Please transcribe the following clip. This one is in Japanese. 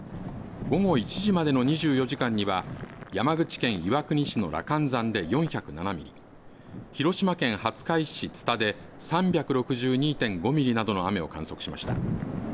午後１時までの２４時間には山口県岩国市の羅漢山で４０７ミリ、広島県廿日市市津田で３６２．５ミリなどの雨を観測しました。